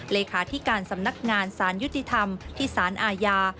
เลขาธิการสำนักงานสารยุติธรรมที่สารอาญา